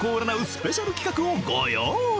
スペシャル企画をご用意］